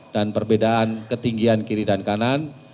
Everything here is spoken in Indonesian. dan perbedaan ketinggian kiri dan kanan